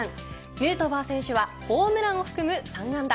ヌートバー選手はホームランを含む３安打。